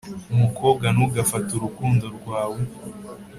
umukobwa ntugafate urukundo rwawe